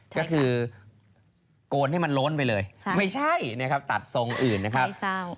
ก็คือโกนให้มันล้นไปเลยไม่ใช่นะครับตัดทรงอื่นนะครับ